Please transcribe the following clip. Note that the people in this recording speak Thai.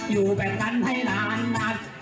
อยู่แบบนั้นให้นานนัก